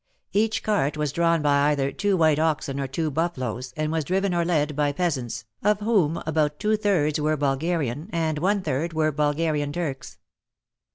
Each cart was drawn by either two white oxen or two buffaloes, and was driven or led by peasants, of whom about two thirds were Bulgarian and one third were Bulgarian Turks.